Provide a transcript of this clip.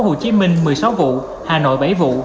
hồ chí minh một mươi sáu vụ hà nội bảy vụ